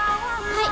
はい！